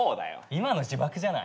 今の自爆じゃない？